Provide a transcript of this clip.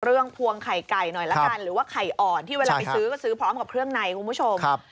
พวงไข่ไก่หน่อยละกันหรือว่าไข่อ่อนที่เวลาไปซื้อก็ซื้อพร้อมกับเครื่องในคุณผู้ชม